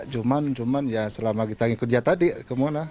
cuma cuma ya selama kita ngikutin dia tadi kemana